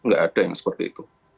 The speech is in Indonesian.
nggak ada yang seperti itu